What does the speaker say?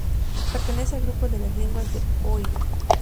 Pertenece al grupo de las lenguas de oïl.